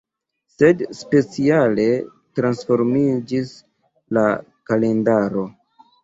Sed speciale transformiĝis la kalendaro.